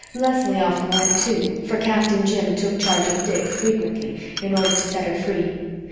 Leslie often went, too, for Captain Jim took charge of Dick frequently, in order to set her free.